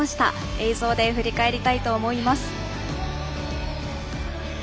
映像で振り返りたいと思います。